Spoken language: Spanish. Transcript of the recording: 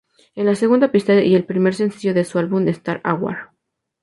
Es la segunda pista y el primer sencillo de su álbum "Start a War".